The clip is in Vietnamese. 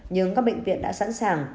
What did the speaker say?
nhưng các bệnh viện đã sẵn sàng